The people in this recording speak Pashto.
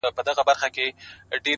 نفیب ټول ژوند د غُلامانو په رکم نیسې ـ